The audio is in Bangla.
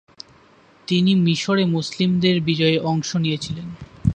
তিনি মিশরে মুসলিমদের বিজয়ে অংশ নিয়েছিলেন।